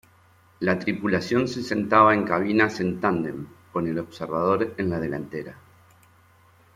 La tripulación se sentaba en cabinas en tándem, con el observador en la delantera.